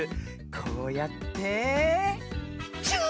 こうやってチュー！